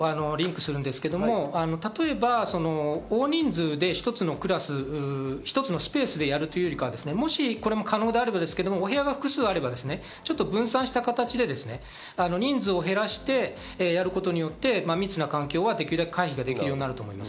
２番目とリンクするんですが、例えば大人数で一つのクラス、一つのスペースでやるというよりかは可能であれば、お部屋が複数あれば分散した形で人数を減らしてやることによって密な環境はできるだけ回避ができるようになると思います。